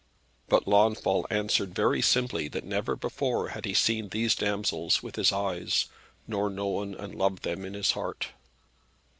But Launfal answered very simply that never before had he seen these damsels with his eyes, nor known and loved them in his heart.